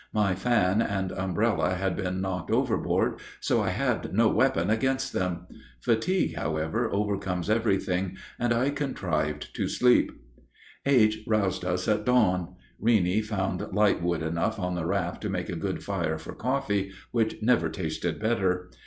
My fan and umbrella had been knocked overboard, so I had no weapon against them. Fatigue, however, overcomes everything, and I contrived to sleep. H. roused us at dawn. Reeney found lightwood enough on the raft to make a good fire for coffee, which never tasted better.